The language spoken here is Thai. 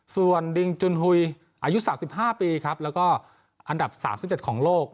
ส่วนดิงจุนฮุยอายุ๓๕ปีครับแล้วก็อันดับ๓๗ของโลก